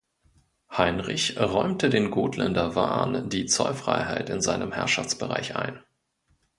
Heinrich räumte den Gotländer Waren die Zollfreiheit in seinem Herrschaftsbereich ein.